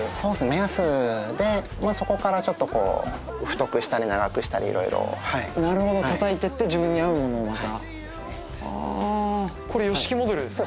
目安でそこからちょっとこう太くしたり長くしたり色々なるほど叩いてって自分に合うものをまたこれＹＯＳＨＩＫＩモデルですか？